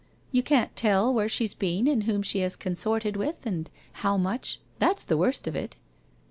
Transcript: You can't tell where she's been and whom she has consorted with, and how much, that's the worst of it!